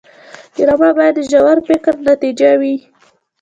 ډرامه باید د ژور فکر نتیجه وي